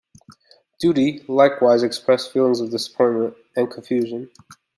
"Duty" likewise expressed feelings of disappointment and confusion.